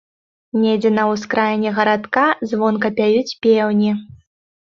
Недзе на ўскраіне гарадка звонка пяюць пеўні.